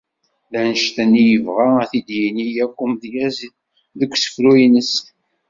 D annect-nni i yebɣa ad t-id-yini yakk umedyaz deg usefru ines.